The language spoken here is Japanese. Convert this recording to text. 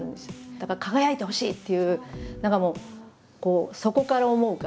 だから「輝いてほしい！」っていう何かもう底から思うから。